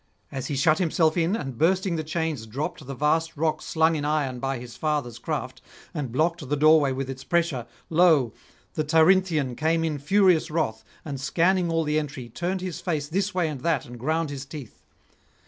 As he shut himself in, and, bursting the [226 260]chains, dropped the vast rock slung in iron by his father's craft, and blocked the doorway with its pressure, lo! the Tirynthian came in furious wrath, and, scanning all the entry, turned his face this way and that and ground his teeth.